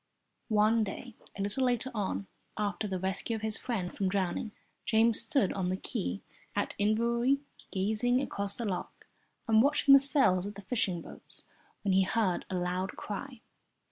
One day a little later on, after the rescue of his friend from drowning, James stood on the quay at Inverary gazing across the loch and watching the sails of the fishing boats, when he heard a loud cry.